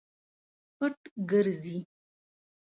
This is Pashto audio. پټ ګرځي.